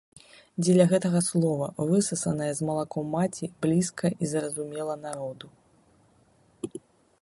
Дзеля гэтага слова, выссанае з малаком маці, блізка і зразумела народу.